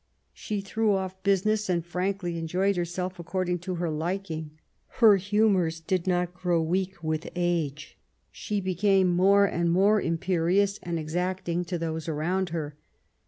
She threw off business and frankly enjoyed herself according to her liking. Her humours did not grow weak with age ;" she became more and more imperious and exacting to those around her.